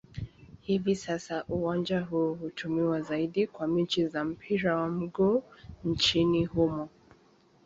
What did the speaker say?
Hivi sasa uwanja huu hutumiwa zaidi kwa mechi za mpira wa miguu nchini humo.